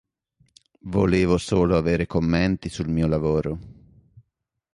Volevo solo avere commenti sul mio lavoro”.